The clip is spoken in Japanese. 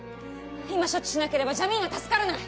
今処置しなければジャミーンは助からない！